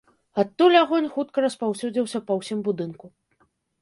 Адтуль агонь хутка распаўсюдзіўся па ўсім будынку.